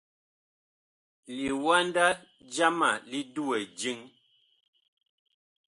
Liwanda jama li duwɛ jeŋ.